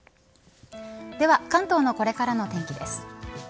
では、関東のこれからのお天気です。